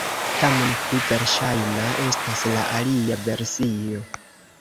Tamen pli verŝajna estas la alia versio.